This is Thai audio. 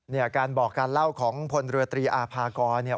เนี่ยการบอกการเล่าของพลเรือตรีอาภากรเนี่ย